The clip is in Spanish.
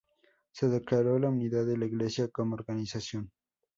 Se declaró la unidad de la Iglesia como organización.